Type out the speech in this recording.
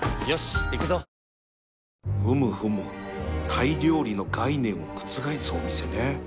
タイ料理の概念を覆すお店ね